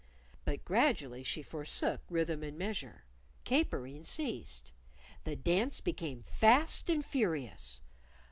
But gradually she forsook rhythm and measure; capering ceased; the dance became fast and furious.